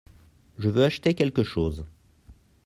Je veux acheter quelque chose.